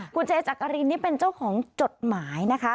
คุณเจจักรินนี่เป็นเจ้าของจดหมายนะคะ